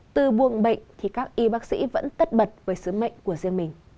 từ buồng bệnh thì các y bác sĩ vẫn tất bật với sứ mệnh của riêng mình